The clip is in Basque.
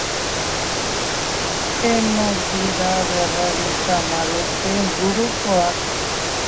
Denok dira berrogeita hamar urte ingurukoak.